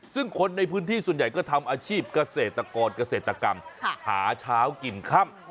ซึ่งคนในพื้นที่ส่วนใหญ่ก็ทำอาชีพเกษตรกรเกษตรกรรมหาเช้ากินค่ำ